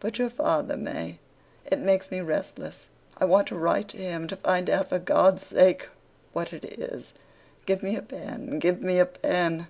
But your father may. It makes me restless. I want to write to him, to find out for God's sake, what it is. Give me a pen, give me a pen.